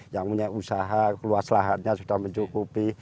yang punya usaha luas lahannya sudah mencukupi